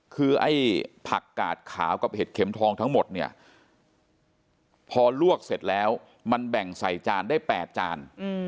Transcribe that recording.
คือไอ้ผักกาดขาวกับเห็ดเข็มทองทั้งหมดเนี่ยพอลวกเสร็จแล้วมันแบ่งใส่จานได้๘จาน